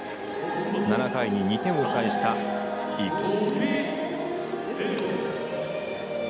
７回に２点を返したイーグルス。